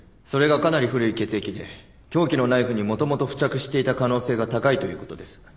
それがかなり古い血液で凶器のナイフにもともと付着していた可能性が高いということです。